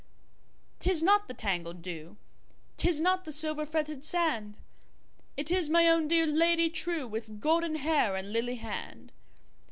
'tis not the tangled dew,'Tis not the silver fretted sand, It is my own dear Lady trueWith golden hair and lily hand!